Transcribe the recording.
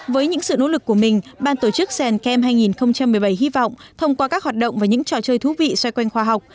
với những sự nỗ lực của mình ban tổ chức sàn cam hai nghìn một mươi bảy hy vọng thông qua các hoạt động và những trò chơi thú vị xoay quanh khoa học